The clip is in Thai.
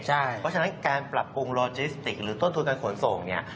เพราะฉะนั้นการปรับปรุงโลจิสติกหรือต้นทุนการขนส่งเนี่ย